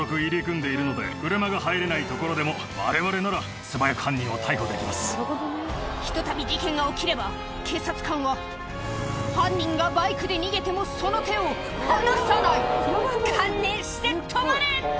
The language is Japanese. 実はこれひとたび事件が起きれば警察官は犯人がバイクで逃げてもその手を離さない「観念して止まれ！」